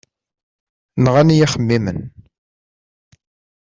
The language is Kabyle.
Nɣan-iyi yixemmimen.